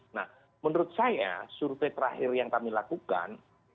nah menurut saya survei terakhir yang kami lakukan